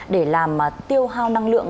để làm tiêu hao năng lượng